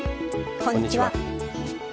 こんにちは。